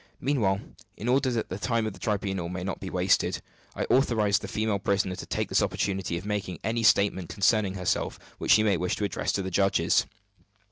Meanwhile, in order that the time of the tribunal may not be wasted, I authorize the female prisoner to take this opportunity of making any statement concerning herself which she may wish to address to the judges."